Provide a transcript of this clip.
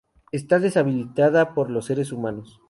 Está deshabitada por los seres humanos.